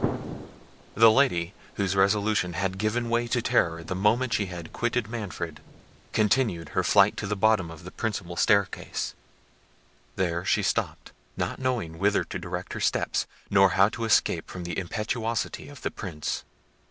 The lady, whose resolution had given way to terror the moment she had quitted Manfred, continued her flight to the bottom of the principal staircase. There she stopped, not knowing whither to direct her steps, nor how to escape from the impetuosity of the Prince.